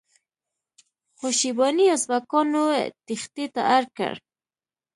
خو شیباني ازبکانو تیښتې ته اړ کړ.